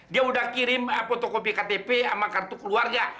dia udah kirim fotokopi ktp sama kartu keluarga